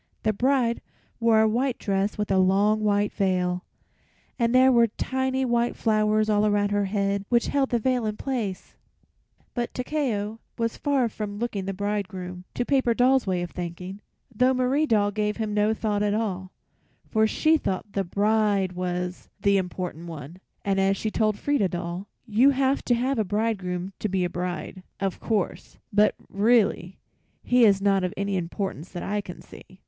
The bride wore a white dress and a long white veil, and there were tiny white flowers all around her head which held the veil in place. But Takeo was far from looking the bridegroom, to Paper Doll's way of thinking, though Marie Doll gave him no thought at all, for she thought the bride was the important one, and as she told Frieda Doll, "You have to have a bridegroom to be a bride, of course; but really he is not of any importance that I can see."